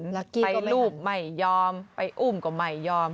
ไปรูปไม่ยอมไปอุ้มก็ไม่ยอม